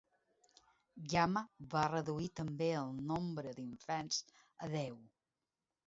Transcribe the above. Yama va reduir també el nombre d'inferns a deu.